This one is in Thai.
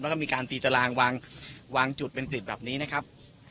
แล้วก็มีการตีตารางวางจุดเป็นติดแบบนี้นะครับ